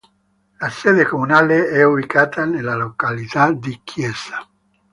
La sede comunale è ubicata nella località di Chiesa.